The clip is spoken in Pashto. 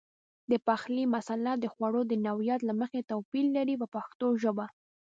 د پخلي مساله د خوړو د نوعیت له مخې توپیر لري په پښتو ژبه.